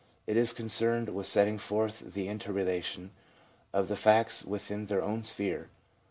It is concerned with setting forth the inter relation of the facts within their own sphere.